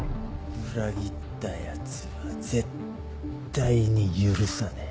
裏切ったやつは絶対に許さねえ。